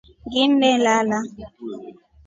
Nginnelala.